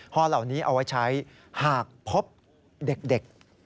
ห่อเหล่านี้เอาไว้ใช้หากพบเด็ก